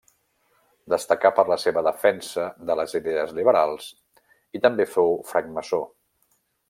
Destacà per la seva defensa de les idees liberals, i també fou francmaçó.